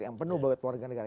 yang penuh bagi keluarga negara